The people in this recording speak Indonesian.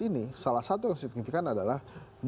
ini salah satu yang signifikan adalah